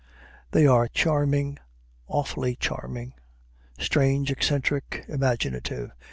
They are charming "awfully" charming; strange, eccentric, imaginative.